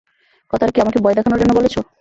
কথাটা কি আমাকে ভয় দেখানোর জন্য বলেছ?